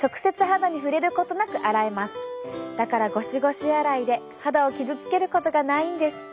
だからゴシゴシ洗いで肌を傷つけることがないんです。